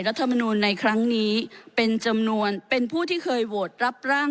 รัฐมนูลในครั้งนี้เป็นจำนวนเป็นผู้ที่เคยโหวตรับร่าง